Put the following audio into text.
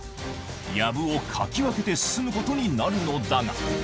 やぶをかき分けて進むことになるのだが。